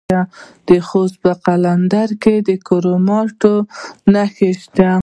د خوست په قلندر کې د کرومایټ نښې شته.